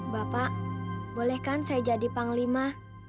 bapak bolehkan saya jadi panglima